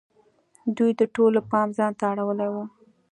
دوی د ټولو پام ځان ته اړولی وو.